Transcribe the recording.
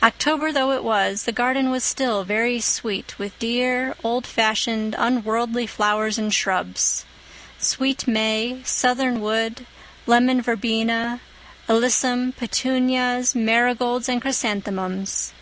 October though it was, the garden was still very sweet with dear, old fashioned, unworldly flowers and shrubs—sweet may, southern wood, lemon verbena, alyssum, petunias, marigolds and chrysanthemums.